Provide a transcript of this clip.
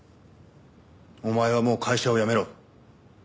お前はもう会社を辞めろ。